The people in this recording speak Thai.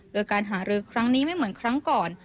โดยการหารือครั้งนี้ไม่เหมือนครั้งก่อน